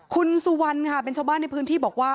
คุณสุวรรณค่ะเป็นชาวบ้านในพื้นที่บอกว่า